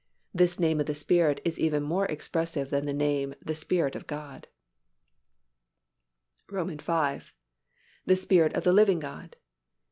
This name of the Spirit is even more expressive than the name "The Spirit of God." V. _The Spirit of the Living God.